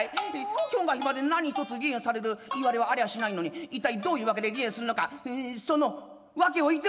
今日が日まで何一つ離縁されるいわれはありゃしないのに一体どういう訳で離縁するのかその訳を云っておくれ！」。